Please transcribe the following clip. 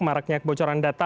marknya kebocoran data